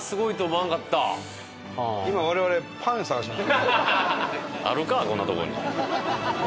今我々パン探してます。